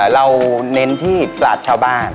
เน้นที่ปราชชาวบ้าน